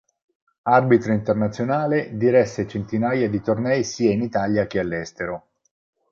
Arbitro internazionale, diresse centinaia di tornei sia in Italia che all'estero.